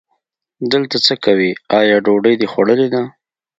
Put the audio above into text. دلته څه کوې، آیا ډوډۍ دې خوړلې ده؟